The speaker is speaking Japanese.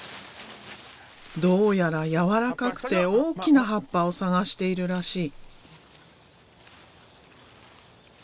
どうやら柔らかくて大きな葉っぱを探しているらしい。